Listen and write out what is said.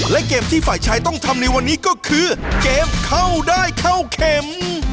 และเกมที่ฝ่ายชายต้องทำในวันนี้ก็คือเกมเข้าได้เข้าเข็ม